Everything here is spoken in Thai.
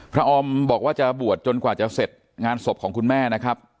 ออมบอกว่าจะบวชจนกว่าจะเสร็จงานศพของคุณแม่นะครับ